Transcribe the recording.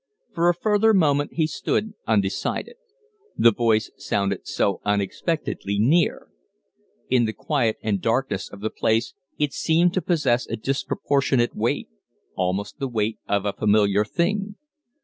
For a further moment he stood undecided. The voice sounded so unexpectedly near. In the quiet and darkness of the place it seemed to possess a disproportionate weight almost the weight of a familiar thing.